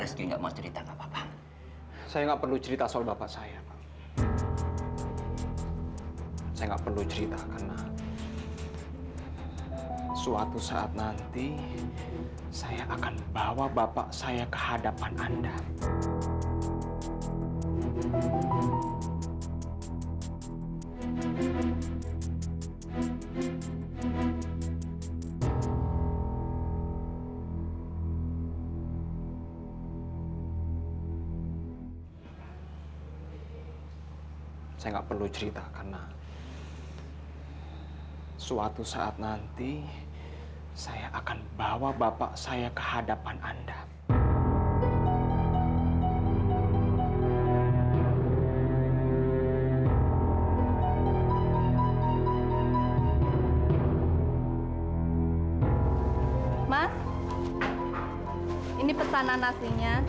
sampai jumpa di video selanjutnya